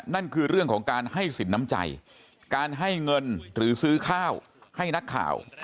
นั่นคือเรื่องของการให้สินน้ำใจการให้เงินหรือซื้อข้าวให้นักข่าว